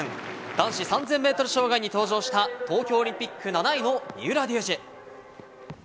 男子３０００ｍ障害に登場した東京オリンピック７位の三浦龍司。